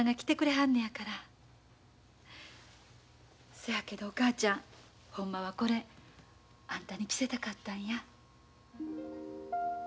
せやけどお母ちゃんほんまはこれあんたに着せたかったんや。